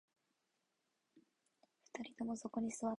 二人ともそこに座って